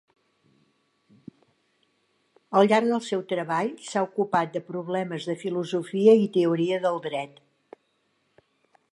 Al llarg del seu treball s'ha ocupat de problemes de filosofia i teoria del dret.